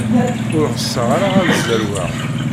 Ur ɣseɣ ara ad zerweɣ.